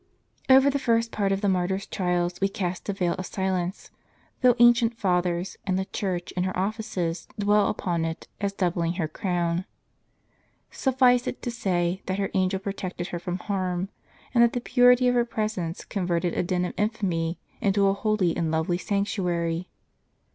Over the first part of the martyr's trials we cast a veil of silence, though ancient Fathers, and the Church in her oflices, dwell upon it, as doubling her crown.* Suffice it to say, that her angel protected her from harm ; t and that the purity of her presence converted a den of infamy into a holy and lovely sanctuary.!